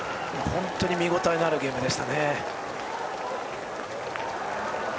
本当に見応えのあるゲームでしたね。